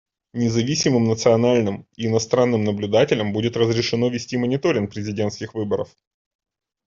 Независимым национальным и иностранным наблюдателям будет разрешено вести мониторинг президентских выборов.